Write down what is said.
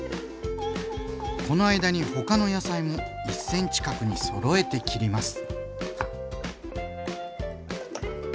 この間に他の野菜も１ｃｍ角にそろえて切ります。